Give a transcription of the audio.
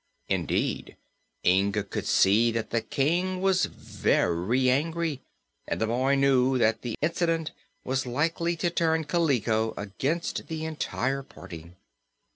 Indeed, Inga could see that the King was very angry, and the boy knew that the incident was likely to turn Kaliko against the entire party.